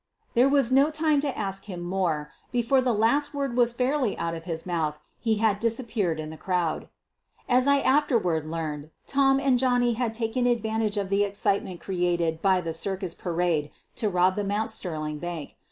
There was no time to ask him more — before the last word was fairly out of his mouth he had disap peared in the crowd. As I afterward learned, Tom and Johnny had taken advantage of the excitement created by the circus parade to rob the Mount Sterling Bank.